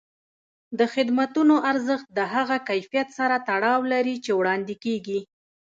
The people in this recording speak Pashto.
د خدمتونو ارزښت د هغه کیفیت سره تړاو لري چې وړاندې کېږي.